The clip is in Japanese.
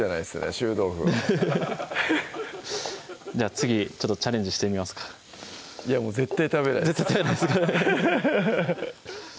臭豆腐はじゃあ次ちょっとチャレンジしてみますかいやもう絶対食べないです